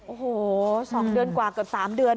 โอ้โห๒เดือนกว่าเกือบ๓เดือน